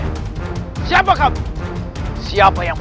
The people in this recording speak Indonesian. aku semakin ingin memperbudakmu